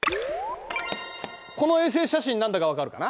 この衛星写真何だか分かるかな？